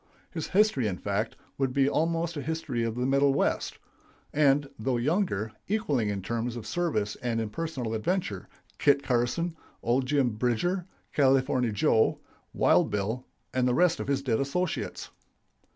His history, in fact, would be almost a history of the middle West; and, though younger, equaling in term of service and in personal adventure, Kit Carson, old Jim Bridger, California Joe, Wild Bill, and the rest of his dead associates.